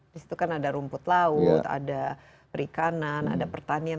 di situ kan ada rumput laut ada perikanan ada pertanian